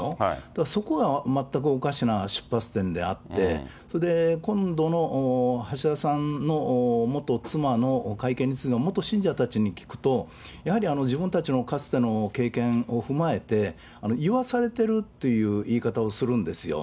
だからそこが全くおかしな出発点であって、それで今度の橋田さんの元妻の会見について元信者たちに聞くと、やはり自分たちのかつての経験を踏まえて、言わされてるという言い方をするんですよ。